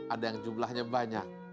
ada yang jumlahnya banyak